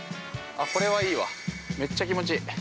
これはいいわめっちゃ気持ちいい。